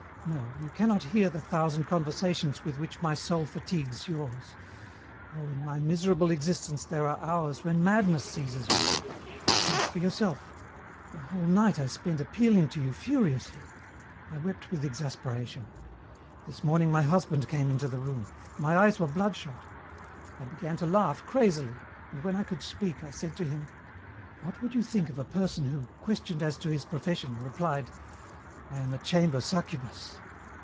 No, you cannot hear the thousand conversations with which my soul fatigues yours.... Oh, in my miserable existence there are hours when madness seizes me. Judge for yourself. The whole night I spent appealing to you furiously. I wept with exasperation. This morning my husband came into the room. My eyes were bloodshot. I began to laugh crazily, and when I could speak I said to him, "What would you think of a person who, questioned as to his profession, replied, 'I am a chamber succubus'?"